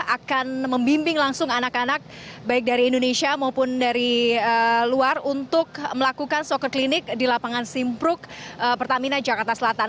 akan membimbing langsung anak anak baik dari indonesia maupun dari luar untuk melakukan soccer clinic di lapangan simpruk pertamina jakarta selatan